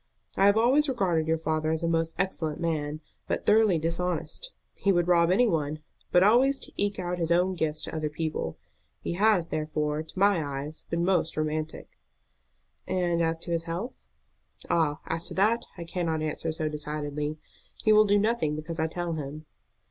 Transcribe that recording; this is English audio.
I have always regarded your father as a most excellent man, but thoroughly dishonest. He would rob any one, but always to eke out his own gifts to other people. He has, therefore, to my eyes been most romantic." "And as to his health?" "Ah, as to that I cannot answer so decidedly. He will do nothing because I tell him."